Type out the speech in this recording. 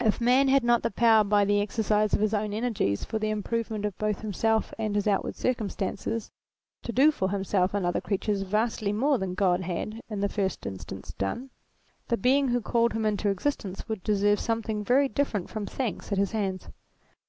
If man had not the power by the exercise of his own ener ATTRIBUTES 193 gies for the improvement both of himself and of his outward circumstances, to do for himself and other creatures vastly more than God had in the first instance done, the Being who called him into exist ence would deserve something very different from thanks at his hands.